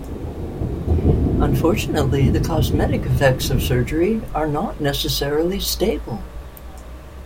Unfortunately, the cosmetic effects of surgery are not necessarily stable.